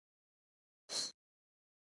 دوو نیزه لرونکو تواب غوږونه واړول او بوی یې کړ.